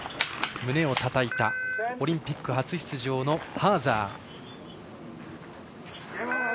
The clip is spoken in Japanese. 胸をたたいたオリンピック初出場のハーザー。